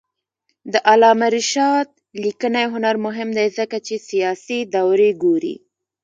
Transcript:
د علامه رشاد لیکنی هنر مهم دی ځکه چې سیاسي دورې ګوري.